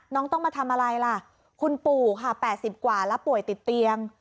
ต้องมาทำอะไรล่ะคุณปู่ค่ะ๘๐กว่าแล้วป่วยติดเตียง